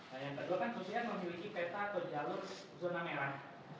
nah yang kedua kan kursian memiliki peta atau jalur zona merah